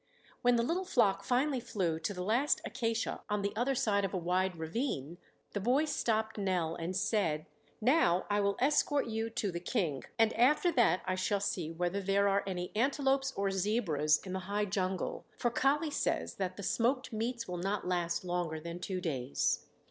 When the little flock finally flew to the last acacia on the other side of a wide ravine, the boy stopped Nell and said: "Now I will escort you to the King and after that I shall see whether there are any antelopes or zebras in the high jungle, for Kali says that the smoked meats will not last longer than two days."